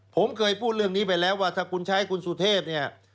ผมเคยพูดเรื่องนี้ไปแล้วว่าถ้าคุณใช้คุณสุเทพเนี่ย